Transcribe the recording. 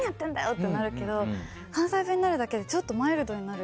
ってなるけど関西弁になるだけでちょっとマイルドになる。